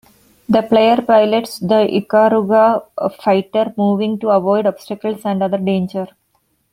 The player pilots the Ikaruga fighter, moving to avoid obstacles and other danger.